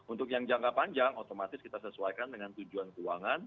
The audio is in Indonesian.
untuk yang jangka panjang otomatis kita sesuaikan dengan tujuan keuangan